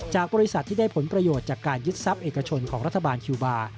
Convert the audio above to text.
บริษัทที่ได้ผลประโยชน์จากการยึดทรัพย์เอกชนของรัฐบาลคิวบาร์